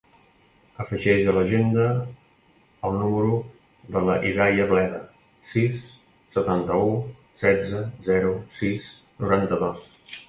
Afegeix a l'agenda el número de la Hidaya Bleda: sis, setanta-u, setze, zero, sis, noranta-dos.